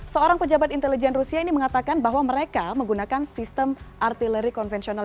seorang pejabat intelijen rusia ini mengatakan bahwa mereka menggunakan sistem artileri konvensional